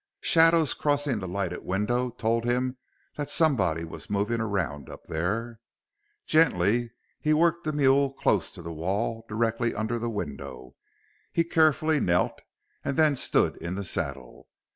Shadows crossing the lighted window told him that somebody was moving around up there. Gently, he worked the mule close to the wall, directly under the window. He carefully knelt and then stood in the saddle.